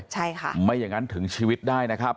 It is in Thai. ใช่ค่ะไม่อย่างนั้นถึงชีวิตได้นะครับ